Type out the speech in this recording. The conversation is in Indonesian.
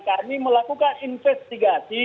kami melakukan investigasi